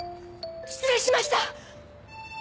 失礼しました！